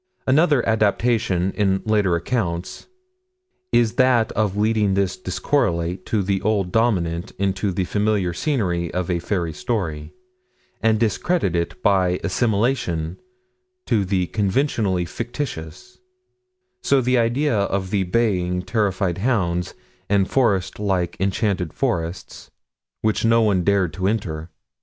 Another adaptation, in the later accounts, is that of leading this discorrelate to the Old Dominant into the familiar scenery of a fairy story, and discredit it by assimilation to the conventionally fictitious so the idea of the baying, terrified hounds, and forest like enchanted forests, which no one dared to enter.